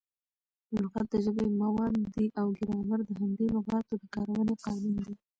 لغت د ژبي مواد دي او ګرامر د همدې لغاتو د کاروني قانون دئ.